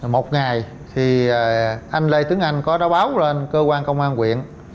một ngày thì anh lê tướng anh có đã báo lên cơ quan công an huyện